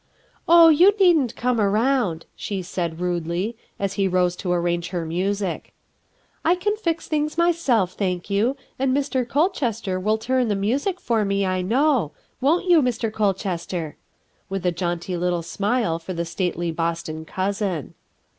"Oh, you needn't come around/' she said rudely, as he rose to arrange her music. "I THE OLD CAT! ^ can fix tilings myself, thank you, and Mr Col chester will turn the music for mo I u won't you, Mr. Colchester?" with a 'jaunty^! tie smile for the stately Boston cousin.